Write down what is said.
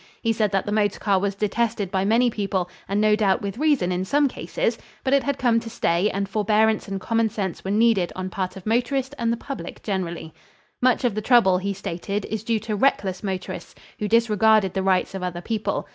He said that the motor car was detested by many people, and no doubt with reason in some cases; but it had come to stay and forbearance and common sense were needed on part of motorist and the public generally. Much of the trouble, he stated, is due to reckless motorists who disregard the rights of other people.